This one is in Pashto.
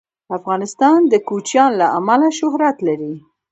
افغانستان د کوچیان له امله شهرت لري.